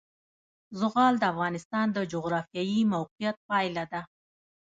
زغال د افغانستان د جغرافیایي موقیعت پایله ده.